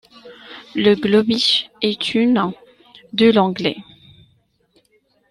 Le globish est une de l'anglais.